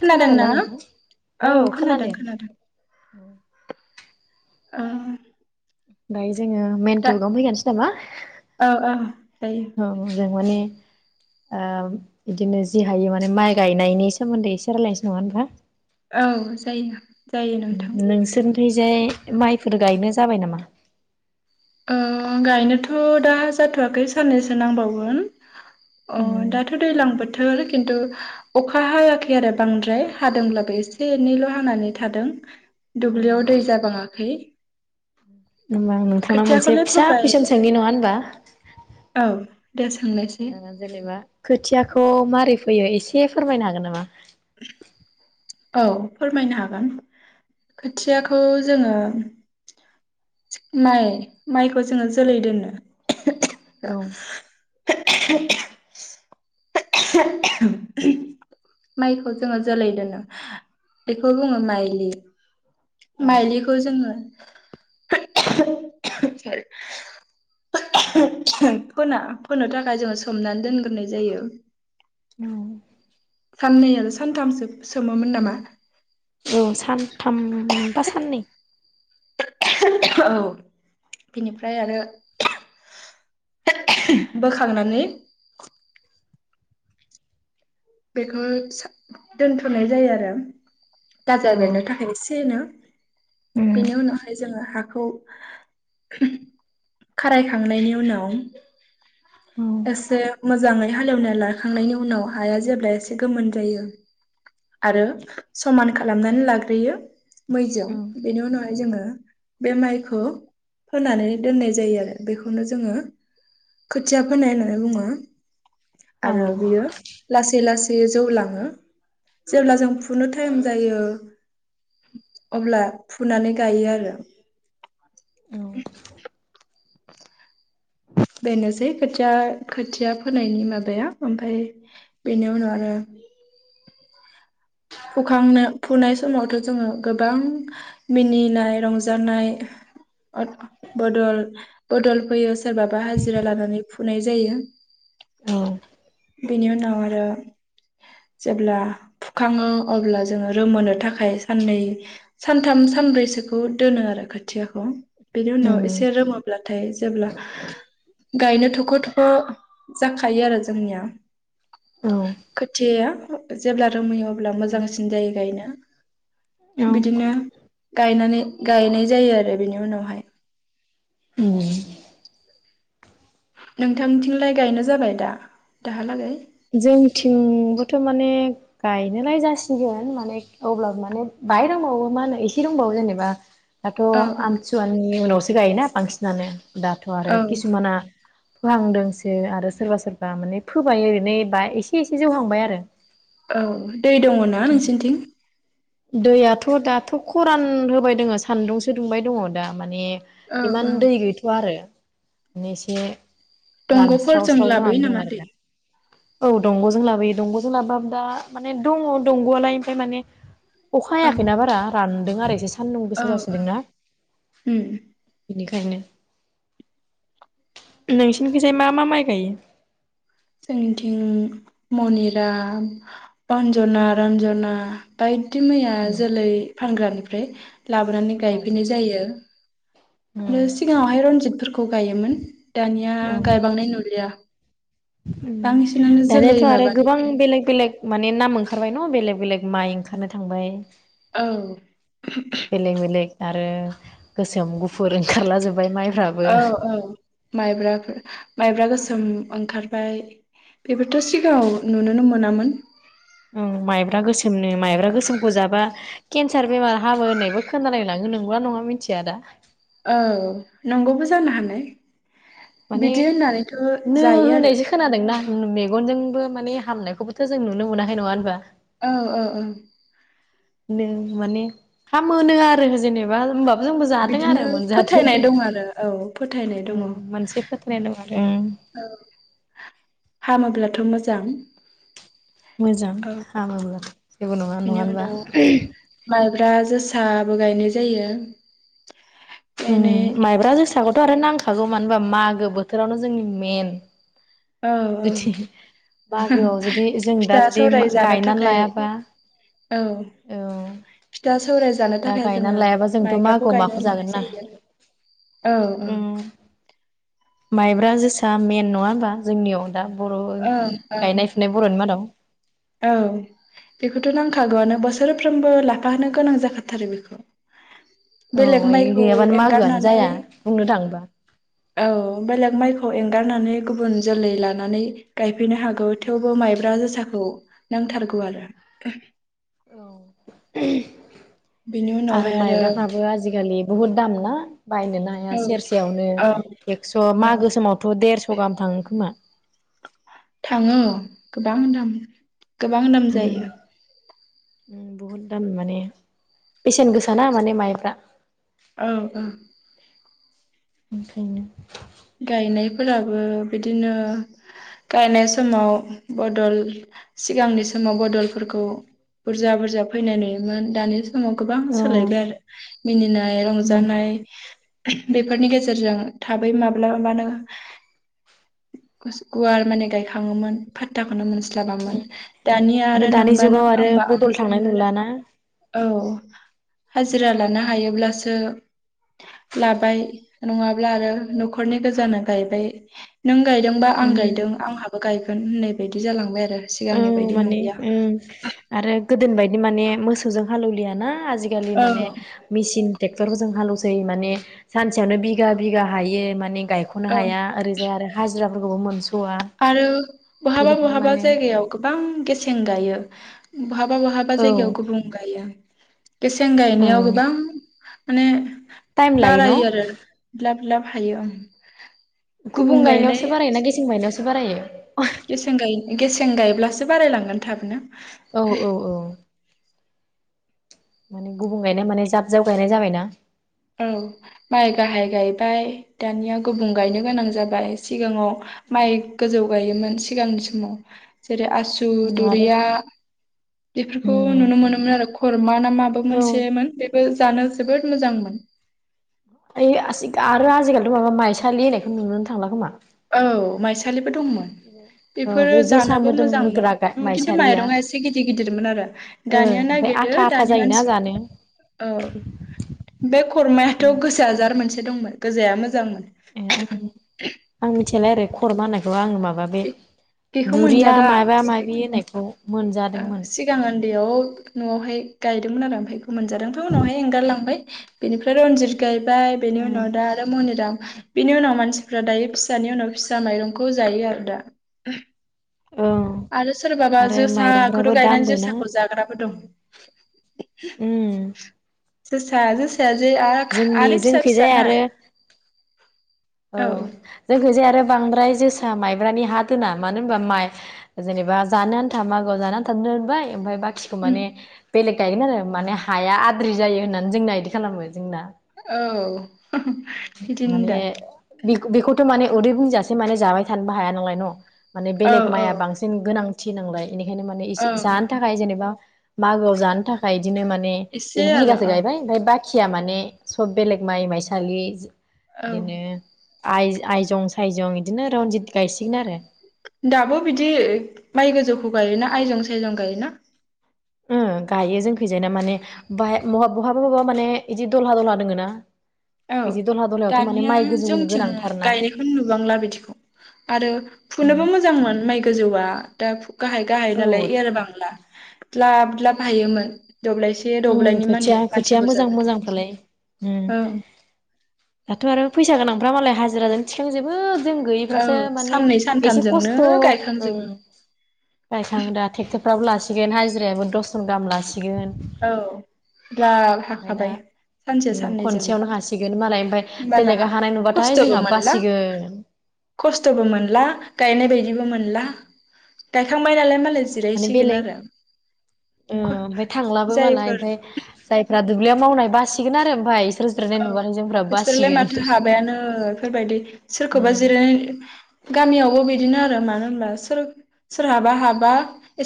खोनादों खोनादोंना ना? नोंथां? औ खोनादों खोनादों ओ दायो जों जोङो मेनटकआवनो फैखानोसै नामा औ औ जायो औ जों माने ओे बिदिनो जि हायो माने माइ गायनायनि सोमोन्दै एसे रायजलायनोसै नामा नोंथां। औ जायो। जायो नोंथां। खैजाय माइफोर गायनो जाबाय नामा? ओ गायनोथ' दा जाथ'वाखै साननैसो नांबावगोन अ दाथ' दैज्लां बोथोर खिन्थु अखा हायाखै आरो बांद्राय हादोंब्लाबो एसे एनैल' हानानै थादों दुब्लियाव दै जाबाङाखै। होनबा आं नों थांनाव मोनसे खोथियाखौलाय फिसा फोबाय कुइसन सोंनि नङा होनबा। औ दे सोंनायसै ओ जेनेबा खो थियाखौ माबारै फैयो एसे फोरमायनो हागोन नामा? औ फोरमायनो हागोन। खोथियाखौ जोङो माइ माइखौ जोङो जोलै दोनो। औ [unintelligible] [unintelligible] माइखौ जोङो जोलै दोनो बेखौ बुङो माइलि। औ माइलिखौ जोङो [unintelligible] फोना फोनो थाखाय जोङो सोमनानै दोनग्रोनाय जायो औ साननै आरो सानथामसो सोमोमोन नामा? औ सानथाम बा साननै औ। बिनिफ्राय आरो [unintelligible] बोखांनानै बेखौ दोनथ'नाय जायो आरो। औ गाजा बेरनो थाखाय एसे सेनो। उम बेनि नावहाय जोङो हाखौ खारायखांनायनि उनाव औ एसे मोजाङै हालेवना लाखांनायनि उनाव हाया जेब [unintelligible] एसे गोमोन जायो आरो समान खालामनानै लाग्रोयो मैजों। बेनि उनावहाय जोङो बे माइखो फोनानै दोननाय जायो आरो बेखौनो जोङो खोथिया फोनाय होननानै बुङो। औ आरो औ बियो लासै लासैयो जौलाङो। जेब्ला जों फुनो टाइम जायो अब्ला फुनानै गायो आरो। [inaudible] बेनोसै खोथिया खोथिया फोनायनि माबाया ओमफाय बेनि उनाव आरो फुखांनो फुनाय समावथ' जोङो गोबां मिनिनाय रंजानाय अद बदल बदल फैयो सोरबाबा हाजिरा लानानै फुनाय जायो। बिनि उनाव आरो जेब्ला फुखाङो अब्ला जोङो रोमोनो थाखाय साननै सानथाम सानब्रैसोखौ दोनो आरो खाय थियाखौ, बेनि उनाव एसे रोङोब्लाथाय जेब्ला गायनो थ ख' थख' जाखायो आरो जोंनिया। खोथियाया जेब्ला रोमोयो अब्ला जोंथिंबोथ' मोजांसिन जाय गायनो। बिदिनो गायनानै गायनाय जायो आरो बेनि उनावहाय। उम। नोंथांनिथिंलाय गायनाय जाबाय दा दाहालागै? जोंनिथिंबोथ' माने गायनोलाय जासिगोन माने अब्लाबो माने बाहाय दोंबावो मा होनो एसे दोंबावो जेनेबा दाथ' औ औ आमथिसुवानि उनावसो गायोना बांसिनानो। दाथ' आरो औ किसुमाना फोहांदोंसो आरो सोरबा सोरबा माने फोबाय माने बा एसे एसे जौहांबाय आरो। औ दै दङ' ना नोंसिनिथिं? दैयाथ' दाथ' खरान होबाय दोङो सान्दुंसो दुंबाय दङ दा माने औ औ इमान दै गैथ'आ आरो। माने एसे दंग'फोर रानस्राव जों स्राव लाबोयो जानानै दं नामा आरो दैे? दा औ दंग'जों लाबोयो दंग'जों लाबोबाबो दा माने दङ दंग'आलाय ओमफ्राय माने अखा औ हायाखैना बारा रान दों आरो एसे एसे सान्दुं औ गोसा जासोदोंना उम बिनि खायनो नोंसिनिखैजाय मा मा माइ गायो? जोंनिथिं मनिरा अन्जना रन्जना बाय दि मैया जोलै फानग्रानिफ्राय लाबोनानै औ गायफैनाय जायो। आरो सिगाङावहाय रनजितफोर खौ गायोमोन। दानिया गायबांनाय नुलिया। उम बांसिनानो जोलै दानियाथ' आरो गोबां माबानिफ्राय बेलेग बेलेग माने नाम ओंखारबाय न' बेलेग बेलेग माइ ओंखारनो थांबाय औ। [unintelligible] बेलेग बेलेग आरो गोसोम गुफुर ओंखारलाजोब्बाय माइ औ औ माइब्राफोर माइब्रा गोसोम ओंखार बाय। बेबोथ' सिगाङाव नुनोनो मो मोनामोन। ओं माइब्रा गोसोमनो माइब्रा गोसोमखौ जाबा केन्सार बेमार हामो होननायबो खोनालाय लाङो नंगौना नङा मिथिया दा। औ नंगौबो जानो हानाय। माने बिदि होननानैथ' नो जायो आरो होनायसो खोनादोंना। मेगनजोंबो माने हामनायखौबोथ' जों नुनो मोनाखै नङा होनबा? औ औ औ। नो माने हामोनो आरो जेनेबा होमबा बिदिनो फोथायनाय दङ आरो औ फोथायनाय दङ औ मोनसे फोथायनाय दं आरो ओं हामोब्ला थ' मोजां। मोजां औ हामोब्ला। जेबो नंङा नंङा होनबा? ब्रा जोसाबो गायनाय जायो। उम गायनाय माइब्रा जोंसाख थ' आरो नांखागौ मानो होनबा मागो बोथोरावनो जोंनि मेन औ जुदि औ मागोआव जुदि जों दा फिथा जुदि सौराय जानो गायनानै थाखाय लायाबा औ औ फिथा सौराय जानो दा थाखाय जोङो गायनानै लायाबा जोंथ' माइब्राखौ मागोआव माखौ गायनानै जागोन लानाय ना जायो औ औ उम माइब्रा जोसा मेन नङा होमबा जोंनियाव? दा बर' औ ओं ओं गायनाय फुनाय बर'नि मादाव। औ बेखौथ' नांखागौआनो बोसोरफ्रोमबो लाफाहोनो गोनां जाखाथारो बेखौ। औ बेलेग माइखौ गैयाबानो मागोआनो एंगारनानै जाया बुंनो थाङोबा औ बेलेग माइ थ एंगारनानै गुबुन जोलै लानानै गायफैनो हागौ थेवबो माइब्रा जोसाखौ नांथारगौ आरो। [inaudible] बिनि आरो उनावहाय माइब्राफ्राबो आजिखालि बहुद दाम ना बायनोनो हाया औ सेरसेयावनो औ एकस' औ मागो समोमावथ' देरस' गाहाम थाङो खोमा। थाङो गोबां थाङो। गोबां दाम जायो। बहुद दाम माने बेसेन गोसा ना माने माइफ्रा। औ औ ओंखायनो गायनायफोराबो बिदिनो गायनाय समाव बदल सिगांनि समाव बदलफोरखौ बुरजा बुरजा फैनाय नुयोमोन दानि समाव गोबां औ सोलायबाय आरो मिनिनाय उम रंजानाय बेफोरनि गेजेरजों थाबै माब मबा गुवार माने गायखाङोमोन फादथामोना मोन जाबामोन दानिया आरो दानि नोंबा नों जुगाव आरो आंबा आं बदल थांनाय नुलाना औ हाजिरा लानो हायोब्लासो लाबाय नङाब्ला आरो न'खरनि गोजानो गायबाय नों गायदोंबा आं गायदों आंहाबो गायगोन होनै बिदि जालांबाय आरो सिगांनि उम बायदि माने नंलिया उम आरो गोदोनि बायदि माने मोसौजों हालेवलियाना? आजिखालि औ माने मेचिन ट्रेक्टरफोर जों हालेवसै माने सानसेयावनो बिगा बिगा हायो माने गायख'नो औ हाया ओरैजाय आरो हाजो जोंहाबो न'आव मोनसु [unintelligible] आरो बहाबा बहाबा माने जायगायाव गोबां गेसें गायो। बहाबा बहाबा औ जायगायावखौ गुबुं गायो। गेसें औ गायनायाव गोबां माने टाइम लायो न' बारायो आरो [unintelligible] लाब हायो ओं गुबुं गायनायावसो बाराय ना गेसें गायनायावसो बारायो? गेसें गाय गेसें गायब्लासो बारायलांगोन थाबनो, औ औ औ माने गुबुं गायनाय माने जाब जाब गायनाय जाबायना? औ माइ गाहाय गायबाय दानिया गुबुं गायनो गोनां जाबाय सिगाङाव माइ गोजौ गायोमोन सिगांनि समाव जेरै आसु आरो दुरिया बेफोरखौ नुनो मोनोमोन आरो खरमा ना माबो औ मोनसेमोन बेबो जानो जोबोद मोजांमोन। ओइ आरो आजिखालिथ' माबा माइसालि होननायखौ नुोनो थांला खोमा औ माइसालि दंमोन ओ बिफोरो बे जोसा जानोबो मोदोम मोजांमोन मोग्रा गा खिन्थु माइसालिया माइरं आ इसे गिदिर गिदिर मोन आरो ओ दानिया ओमफ्राय नायदो आथा नो आथा दानि मानसि जायोना जानो औ बे खरमायाथ उम गोजा जार मोनसे। दंमोन गोजाया मोजांमोन। ए ओं आं मि थिलाय आरो खरमा होनायखौ आं माब माबा बे बेखौ बुरिया मोनजादां माबा माबि होननायखौ मोनजादोंमोन। दैयाव न'आवहाय गायदोंमोन आरो ओमफाय मोनजादों ओमफाय उनावहाय एंगारलांबाय बेनिफ्राय रनजित गाय बाय बेनि उम उनाव दा आरो मनिराम बिनि उनाव मानसिफ्रा दायो। फिसानि उनाव फिसा माइरं खौ जायो आरो दा औ आरो सोरबाबा आरो माइरंफ्राबो जोसाखौथ' गायनानै दामबो ना जोसाखौ जाग्राबो दं। उम जोसा जोस फिसाजो आरो खा जोंनि आरो फिसा जोंखैजाय फिसा ना? आरो औ जोंखौ जे आरो बांद्राय जोसा माइब्रानि हा दोना मानो होनबा माइ जेनेबा जानो आन्था मागोआव जानो आनथा दोनबाय ओमफ्राय बाखिखौ उम माने बेलेग गायगोन आरो माने हाया आद्रि जायो होननानै जोंना इदि खालामो। जोंना। औ। बिदिनो दा। बेखौ बेखौथ' माने उदै बुंजासे माने जाबाय थानोबो हाया नालाय न'। माने औ बेलेग औ माइआ बांसिन गोनां थि नांलाय। बेनिखायनो माने इसे औ जानो थाखाय जेनेबा मागोआव जानो थाखाय बिदिनो माने एसे एक आरो बिगासो औ गायबाय ओमफ्राय बाक खिया माने सब बेलेग माइ माइसालि औ बिदिनो आइ आयजं सायजं बिदिनो रनजित गायसिगोन आरो। दाबो बिदि माइ गोजौखौ गायोना आयजं सायजं गायोना? ओं गायो जोंखैजायना माने बाय बहाबा बहाबा माने बिदि दलहा दलहा दोङो ना। औ बिदि दलहा दलहायावथ' माने दानिया माइ गोजौ जोंथिं गोनांथारना गायनायखौनो नुबांला बिदिखौ आरो फुनोबो मोजांमोन माइ गोजौआ दा गाहाय गाहाय औ नालाय एरबांला। ग्लाबग्लाब हायोमोन। दब्लायसे उम दब्लायनि मानि खोथिया मानसि खोथिया मोजां बुरजाबाथ' मोजां फ्रालाय ओं। औ दाथ' आरो फैसा गोनांफ्रा मालाय हाजिराजोंनो थिखांजोबो। जों औ गैयैफ्रासो माने साननै एसे सानथामजोंनो खस्थ' गायखांजोबो ओं गायखाङोदा टेक्टर फ्राबो लासिगोन हाजिरायाबो दसजन गाहाम लासिगोन। औ ग्लाब ओमफ्राय हाखाबाय दा सानसे उम साननैजोंनो खनसेयावनो हासिगोन मालाय ओमफ्राय होमबाना बेलेगा हानाय नुबाथाय खस्थ'बो जोंहा मोनला बासिगोन खस्थ'बो मोनला गायनाय बायदि बो मोनला गायखांबाय नालाय मालाय माने जिरायसिगोन बेलेग आरो। मालाबो मालाय जायफोर ओमफाय जायफ्रा दुब्लियाव मावनाय बासिगोन आरो ओमफाय। औ बिसोरलाय माथो हाबायानो बेफोरबायदि सोरखौबा उम जिरायनाय गामियावबो बिदिनो आरो। मानो होनबा सोर सोरहाबा हाबा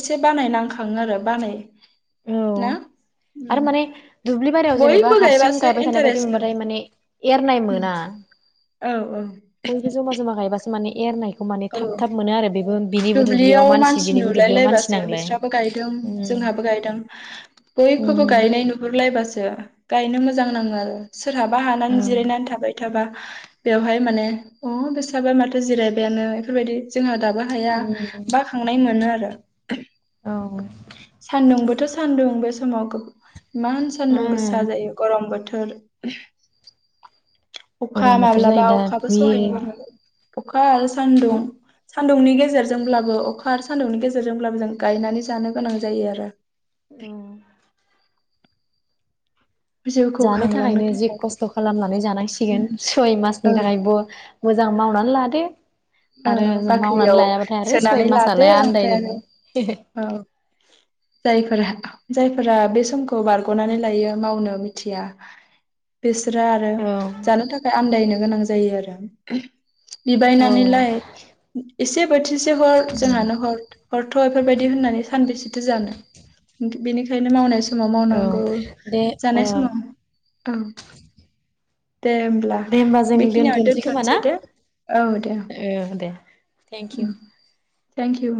एसे बानाय नांखाङो आरो बानाय औ ना आरो उम माने दुबलि बारियाव जेनेबा बयबो हारसिं गायबासो गायबाय थानाय बायदि इन्टारेस्ट नाङो मोनबाथाय माने एरनाय उम मोना। औ औ बयबो जमा जमा गायबासो। माने एरनाय। बेखौ माने थाब औ थाब मोनो आरो बेबो बिनिबो दुब्लियाव मानसि बिनिबो दुब्लियाव मानसि नांलाय ओं। बोयखौबो गायनाय नुहुरलायबासो। गायनो मोजां नाङो आरो। सोरहाबा औ हानानै जिरायनानै थाबाय थाबा। बेवहाय माने अ बेसाबा माथो जिरायबायानो। बेफोरबायदि। जोंहा दाबो हाया उम बाखांनाय मोनो। आरो। औ। थो सान्दुं बे समाव गो इमान सान्दुं गोसा उम जायो गरम बो [inaudible] अखा गरम बोथोर माब्लाबा जायो दा अखाबो सहायनो बुयो मोननांगोन। अखा सान्दुं। सान्दुंनि गेजेरजोंब्लाबो अखा आरो सान्दुंनि गेजेरजोंब्लाबो जों गायनानै जानो गोनां जायो आरो। उम। जिउखौ जानो खांलांनो थाखायनो जि थाखाय खस्थ खालामनानै जानांसिगोन उम सय मासनि औ थाखायबो मो जां मावनानै लादो। औ आरो जों मावनानै बाख्रियाव लायाबाथाय आरो सय सोनानै लादो मासालाय ओमफ्राय आरो आन्दायनोलाय औ जायफोरा जायफोरा बे समखौ बारगनानै लायो मावनो मिथिया बे सोरा आरो औ जानो थाखाय आदायनो गोनां जायो आरो। औ लाय एसे बोथिसे हर जोंहानो हर हर थ इफोरबायदि होननानै सानबेसेथो जानो बिनिखायनो मावनाया समाव औ मावनांगौ दे जानाय समाव औ। दे होमब्ला दे होमबा जों बेखिनियाव दोन्थनोसै दे औ दे। ओ दे। Thank you. Thank U.